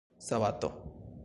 sabato